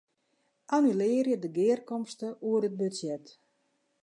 Annulearje de gearkomste oer it budzjet.